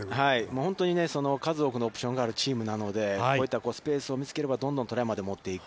本当にね、数多くのオプションのあるチームなので、スペースを見つければどんどんトライまで持っていく。